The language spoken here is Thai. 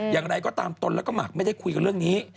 อย่างไรก็ตามตนแล้วก็หมากไม่ได้คุยกันเรื่องนี้